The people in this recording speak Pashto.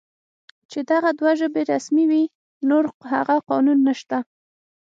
چې دغه دوه ژبې رسمي وې، نور هغه قانون نشته دی